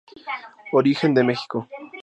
Origen de Mexico.